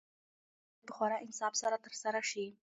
لوبه باید په خورا انصاف سره ترسره شي.